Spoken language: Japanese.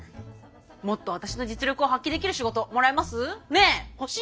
もっと私の実力を発揮できる仕事もらえます？